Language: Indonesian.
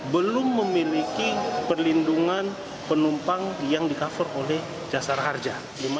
belum memiliki perlindungan penumpang yang di cover oleh jasar harja